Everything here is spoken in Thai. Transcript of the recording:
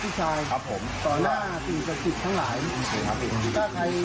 มีอะไรก็ดูแลเพื่อนพี่น้องกันครับผมโอเคนะครับ